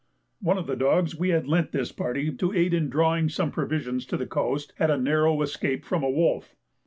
One of the dogs we had lent this party to aid in drawing some provisions to the coast had a narrow escape from a wolf.